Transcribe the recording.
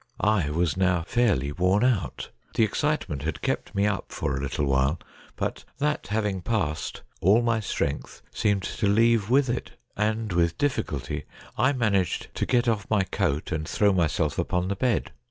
I was now fairly worn out. The excitement had kept me up for a little while, but that having passed, all my strength seemed to leave with it, and with difficulty I managed to get off my coat and throw my self upon the bed.